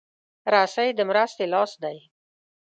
رسۍ د مرستې لاس دی.